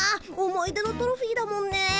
思い出のトロフィーだもんね。